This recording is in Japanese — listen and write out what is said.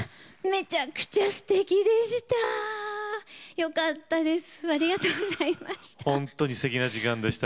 めちゃくちゃ、すてきでした。